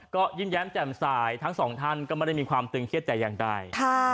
ก็ยิ้มแย้มแจ่มสายทั้งสองท่านก็ไม่ได้มีความตึงเครียดแต่อย่างใด